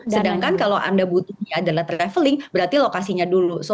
sedangkan kalau anda butuhnya adalah traveling berarti lokasinya dulu